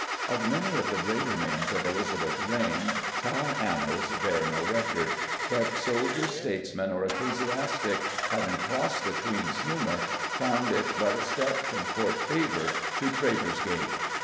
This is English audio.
Of many of the greater names of Elizabeth's reign, Tower annals bear no record, but soldier, statesman, or ecclesiastic, having crossed the Queen's humour, found it but a step from Court favour to Traitor's Gate.